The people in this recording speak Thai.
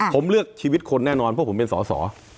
ผมเลือกชีวิตคนแน่นอนเพราะผมเป็นสอสอ